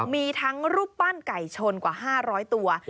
มีทั้งรูปปั้นไก่ชนกว่า๕๐๐ตัว